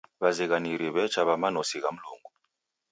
W'azighaniri w'echa w'a manosi gha Mlungu.